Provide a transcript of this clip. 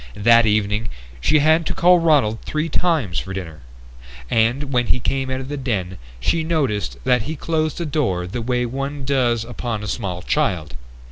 That evening she had to call Ronald three times for dinner, and when he came out of the den she noticed that he closed the door the way one does upon a small child.